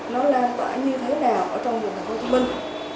nó lan tỏa như thế nào ở trong vùng thành phố hồ chí minh